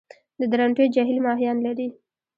د درونټې جهیل ماهیان لري؟